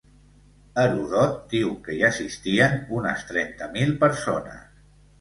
Heròdot diu que hi assistien unes trenta mil persones.